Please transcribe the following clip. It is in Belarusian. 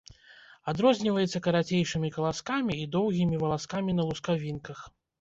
Адрозніваецца карацейшымі каласкамі і доўгімі валаскамі на лускавінках.